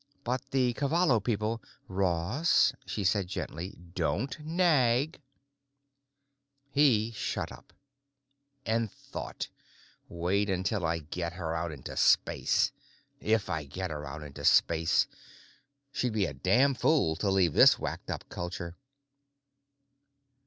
"But the Cavallo people——" "Ross," she said gently, "don't nag." He shut up. And thought: wait until I get her out into space. If I get her out into space. She'd be a damned fool to leave this wacked up culture....